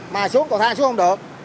mà xuống cầu thang xuống không được